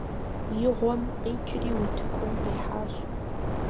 И гъуэм къикӀри утыкум къихьащ.